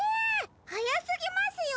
はやすぎますよ！